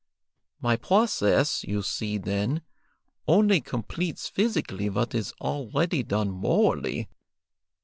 My process, you see then, only completes physically what is already done morally.